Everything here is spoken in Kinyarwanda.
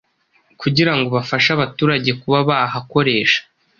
kugira ngo bafashe abaturage kuba bahakoresha